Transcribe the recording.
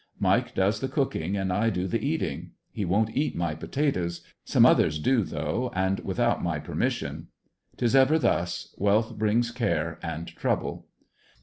Mike does the cooking and I do the eat ing; he won't eat my potatoes, some others do though and without my permission, 'Tis ever thus, wealth brings care and trouble.